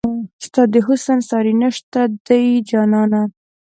ستا د حسن ساری نشته دی جانانه